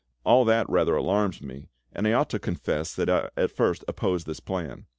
All that rather alarms me, and I ought to confess that I at first opposed this plan.